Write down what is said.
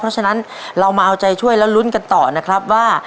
เพราะฉะนั้นเรามาเอาใจช่วยแล้วลุ้นกันต่อนะครับว่า